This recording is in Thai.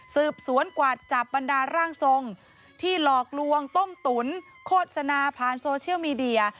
สืบสวนกวาดจับบรรดาร่างทรงที่หลอกลวงต้มตุ๋นโฆษณาผ่านโซเชียลมีเดีย